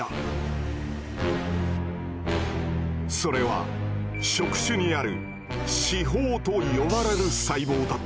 それは触手にある「刺胞」と呼ばれる細胞だった。